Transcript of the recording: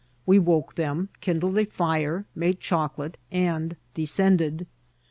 We woke them, kindled a fire, made chocolate, and descended.